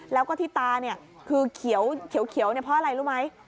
แล้วก็ที่ตาเนี้ยคือเขียวเขียวเขียวเนี้ยเพราะอะไรรู้ไหม